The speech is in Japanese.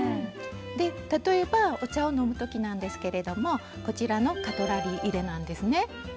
で例えばお茶を飲む時なんですけれどもこちらのカトラリー入れなんですね。